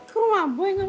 ke rumah boy